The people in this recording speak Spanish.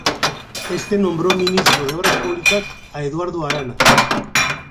Éste nombró Ministro de Obras Públicas a Eduardo Arana.